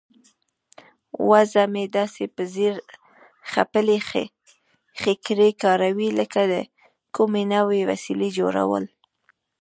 وزه مې داسې په ځیر خپلې ښکرې کاروي لکه د کومې نوې وسیلې جوړول.